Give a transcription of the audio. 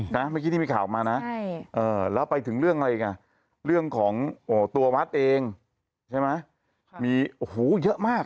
เมื่อกี้ที่มีข่าวออกมานะแล้วไปถึงเรื่องอะไรอีกเรื่องของตัววัดเองใช่ไหมมีโอ้โหเยอะมาก